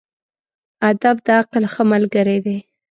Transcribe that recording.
ادب د عقل ښه ملګری دی.